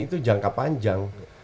itu jangka panjang